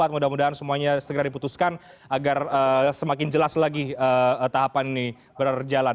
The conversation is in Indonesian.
mudah mudahan semuanya segera diputuskan agar semakin jelas lagi tahapan ini berjalan